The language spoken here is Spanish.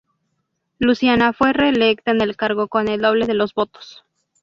Luciana fue reelecta en el cargo con el doble de los votos.